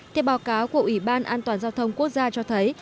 theo báo cáo của ủy ban an toàn giao thông quốc gia cho thấy